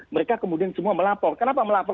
mereka kemudian semua melapor kenapa melapor